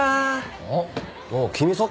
あっ。